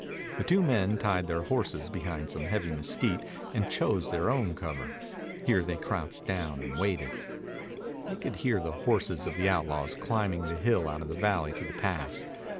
The two men tied their horses behind some heavy mesquite and chose their own cover. Here they crouched down and waited. They could hear the horses of the outlaws climbing the hill out of the valley to the pass.